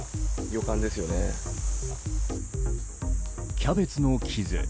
キャベツの傷。